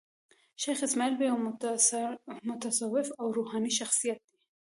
شېخ اسماعیل یو متصوف او روحاني شخصیت دﺉ.